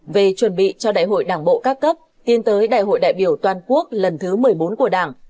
về chuẩn bị cho đại hội đảng bộ các cấp tiến tới đại hội đại biểu toàn quốc lần thứ một mươi bốn của đảng